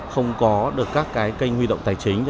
không có được các cái kênh huy động tài chính